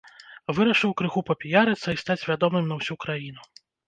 Вырашыў крыху папіярыцца і стаць вядомым на ўсю краіну.